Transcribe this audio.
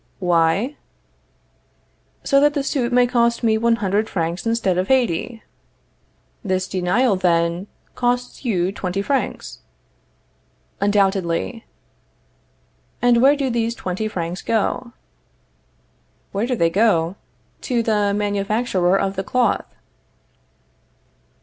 Why? So that the suit may cost me one hundred francs instead of eighty. This denial, then, costs you twenty francs? Undoubtedly. And where do these twenty francs go? Where do they go? To the manufacturer of the cloth.